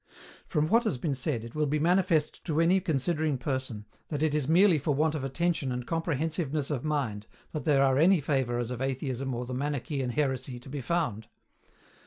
From what has been said, it will be manifest to any considering person, that it is merely for want of attention and comprehensiveness of mind that there are any favourers of Atheism or the Manichean Heresy to be found.